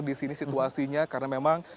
di sini situasinya karena memang